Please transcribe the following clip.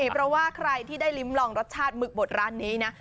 เพราะว่าใครที่ได้ลิ้มลองรสชาติหมึกบดร้านนี้นะ